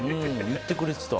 言ってくれてた。